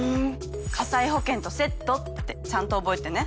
火災保険とセットってちゃんと覚えてね。